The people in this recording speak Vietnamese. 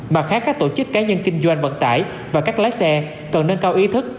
mặt khác các tổ chức cá nhân kinh doanh vận tải và các lái xe cần nâng cao ý thức